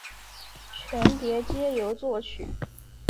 全碟皆由作曲。